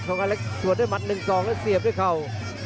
การเล็กสวดด้วยหมัด๑๒แล้วเสียบด้วยเข่า